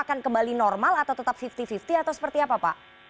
akan kembali normal atau tetap lima puluh lima puluh atau seperti apa pak